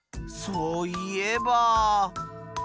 そういえば。